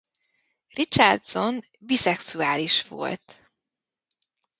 Richardson biszexuális volt.